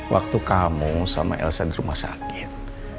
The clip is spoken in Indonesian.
waktu kamu sama elsa di rumah sakit